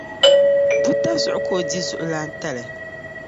Buta zuɣu ka o di zuɣulaan'tali.